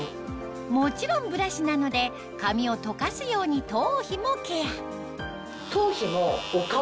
もちろんブラシなので髪をとかすように頭皮もケアえっ